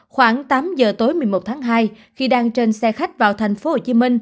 khoảng tám giờ tối một mươi một tháng hai khi đang trên xe khách vào tp hcm